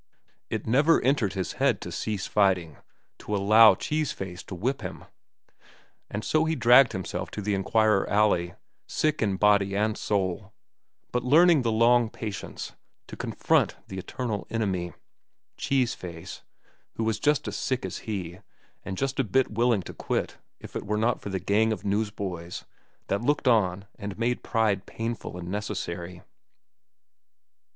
It never entered his head to cease fighting, to allow Cheese Face to whip him. And so he dragged himself to the Enquirer alley, sick in body and soul, but learning the long patience, to confront his eternal enemy, Cheese Face, who was just as sick as he, and just a bit willing to quit if it were not for the gang of newsboys that looked on and made pride painful and necessary.